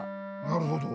なるほど。